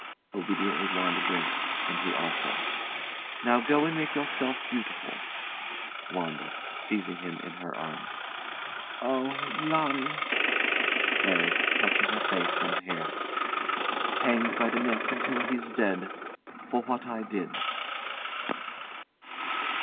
[Obediently WANDA drinks, and he also.] Now go and make yourself beautiful. WANDA. [Seizing him in her arms] Oh, Larry! LARRY. [Touching her face and hair] Hanged by the neck until he's dead for what I did.